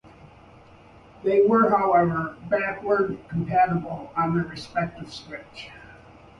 They were, however, backward compatible on their respective switch.